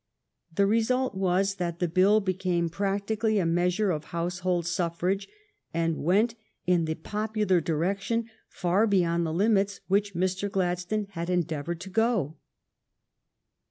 The result was that the bill became practically a measure of household suffrage, and went in the popular direction far beyond the limits which Mr. Gladstone had endeavored to go.